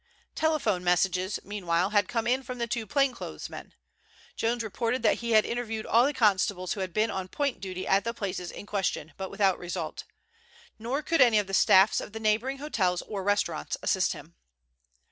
Telephone messages, meanwhile, had come in from the two plain clothes men. Jones reported that he had interviewed all the constables who had been on point duty at the places in question, but without result. Nor could any of the staffs of the neighboring hotels or restaurants assist him.